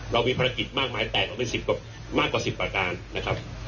เรามีภารกิจมากมายแตกออกเป็น๑๐มากกว่า๑๐ประการนะครับ